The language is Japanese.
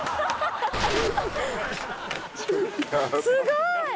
すごい。